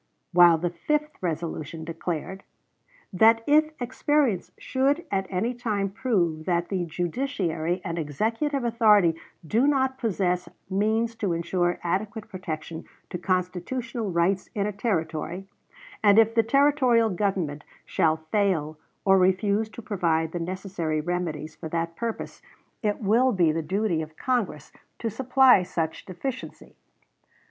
While the fifth resolution declared "That if experience should at any time prove that the judiciary and executive authority do not possess means to insure adequate protection to constitutional rights in a Territory, and if the Territorial government shall fail or refuse to provide the necessary remedies for that purpose, it will be the duty of Congress to supply such deficiency."